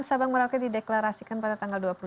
sabang merauke dideklarasikan pada tanggal